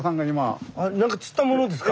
なんか釣ったものですか？